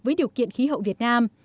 với điều kiện khí hậu việt nam